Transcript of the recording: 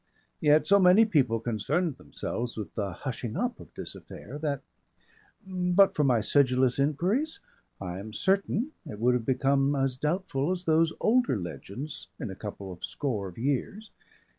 Yet so many people concerned themselves with the hushing up of this affair, that, but for my sedulous enquiries, I am certain it would have become as doubtful as those older legends in a couple of score of years.